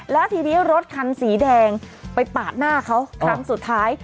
แล้วทีนี้รถคันสีแดงไปปาดหน้าเขาครั้งสุดท้าย